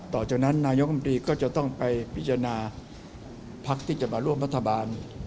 ต่อจากนั้นนายกรรมตรีก็จะต้องไปพิจารณาพักที่จะมาร่วมรัฐบาล